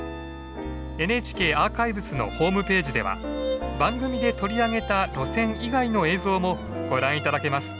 ＮＨＫアーカイブスのホームページでは番組で取り上げた路線以外の映像もご覧頂けます。